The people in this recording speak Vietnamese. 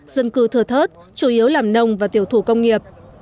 dân cư thừa thớt chủ yếu làm nông và tiểu thủ công nghiệp